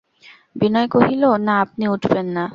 বিনয় কহিল, না আপনি উঠবেন না।